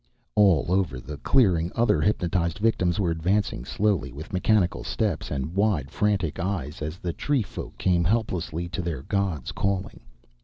All over the clearing other hypnotized victims were advancing slowly, with mechanical steps and wide, frantic eyes as the tree folk came helplessly to their god's calling.